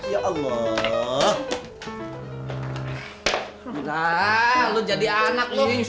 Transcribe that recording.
cijen takut abisnya